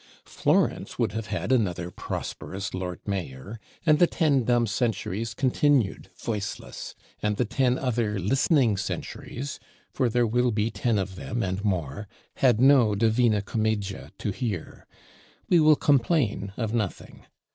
Florence would have had another prosperous Lord Mayor; and the ten dumb centuries continued voiceless, and the ten other listening centuries (for there will be ten of them and more) had no 'Divina Commedia' to hear! We will complain of nothing.